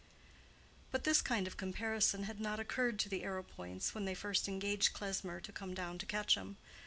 But this kind of comparison had not occurred to the Arrowpoints when they first engaged Klesmer to come down to Quetcham.